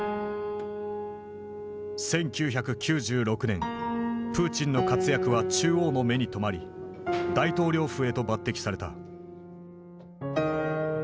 １９９６年プーチンの活躍は中央の目に留まり大統領府へと抜擢された。